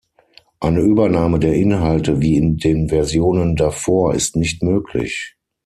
Eine Übernahme der Inhalte wie in den Versionen davor ist nicht möglich.